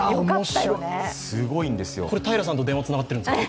これ、平さんと電話つながってるんですか？